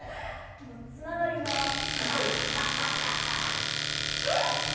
つながりが薄い。